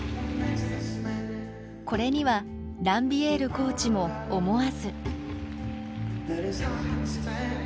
これにはランビエールコーチも思わず。